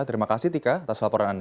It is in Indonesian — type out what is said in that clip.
terima kasih tika